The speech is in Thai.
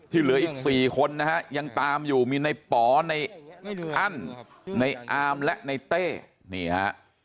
เหลืออีก๔คนนะฮะยังตามอยู่มีในป๋อในอั้นในอามและในเต้นี่ฮะ